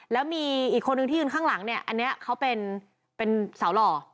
แล้วมีอีกคนนึงที่ยืนข้างหลังเนี่ยอันนี้เขาเป็นสาวหล่อ